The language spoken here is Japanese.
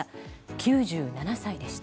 ９７歳でした。